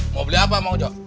mau beli apa mau coba